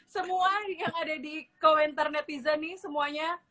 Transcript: semua yang ada di komentar netizen nih semuanya